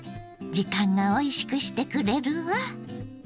時間がおいしくしてくれるわ。